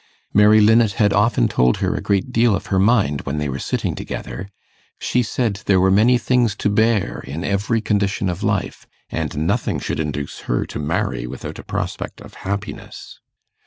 Mary Linnet had often told her a great deal of her mind when they were sitting together: she said there were many things to bear in every condition of life, and nothing should induce her to marry without a prospect of happiness.